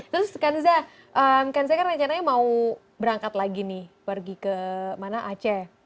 terus kanza kanza kan rencananya mau berangkat lagi nih pergi ke mana aceh